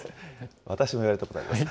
私も言われたことあります。